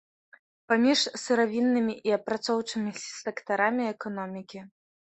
Паміж сыравіннымі і апрацоўчымі сектарамі эканомікі.